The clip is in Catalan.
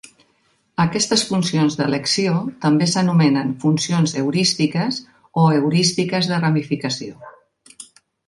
Aquestes funcions d'elecció també s'anomenen funcions heurístiques o heurístiques de ramificació.